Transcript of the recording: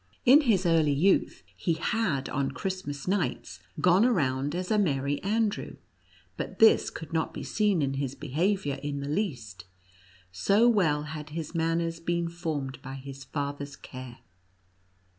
In his early youth he had on Christmas nights gone around as a Merry Andrew, but this could not be seen in his behavior in the least, so well had his manners been formed by his fathers care.